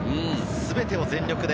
全てを全力で。